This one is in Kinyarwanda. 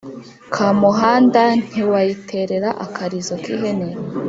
Kamuhanda ntiwayiterera-Akarizo k'ihene.